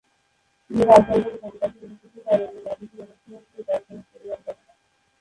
তিনি রাজদরবারে গান-বাজনা নিষিদ্ধ করেন এবং রাজকীয় অনুষ্ঠানাদিতে জাঁকজমক পরিহার করেন।